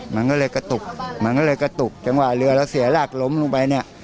มันก็เลยกระตุกมันก็เลยกระตุกจังหวะเรือเราเสียหลักล้มลงไปเนี่ย